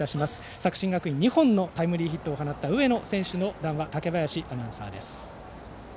作新学院２本のタイムリーヒットを放った上野選手の談話竹林アナウンサーです。